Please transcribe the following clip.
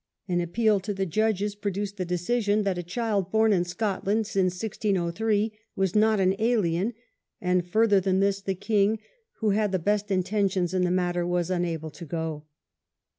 An appeal to the judges produced the decision that a child born in Scotland since 1603 ^^^ not an alien; and further than this the king, who had the best intentions in the matter, was unable to go.